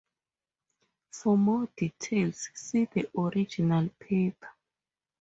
For more details see the original paper.